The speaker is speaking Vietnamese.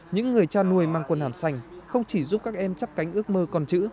những người cha nuôi mang quần hàm xanh không chỉ giúp các em chấp cánh ước mơ con chữ